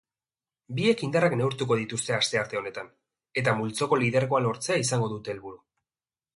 Biek indarrak neurtuko dituzte astearte honetan eta multzoko lidergoa lortzea izango dute helburu.